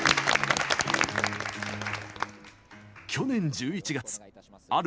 去年１１月ある